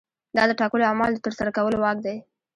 دا د ټاکلو اعمالو د ترسره کولو واک دی.